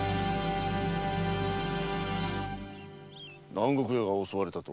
南国屋が襲われたと？